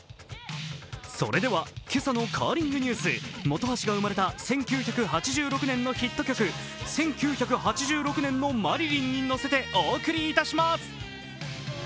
それでは今朝のカーリングニュース、本橋が産まれた１９８６年のヒット曲、「１９８６年のマリリン」に乗せてお送りします。